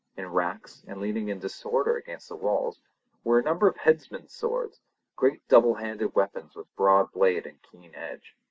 In racks, and leaning in disorder against the walls, were a number of headsmen's swords, great double handed weapons with broad blade and keen edge.